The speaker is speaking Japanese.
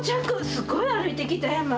すごい歩いてきたやま。